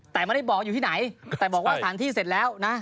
แต่ไม่ได้บอกอยู่ที่ไหนแต่บอกว่าสถานที่เสร็จแล้วนะ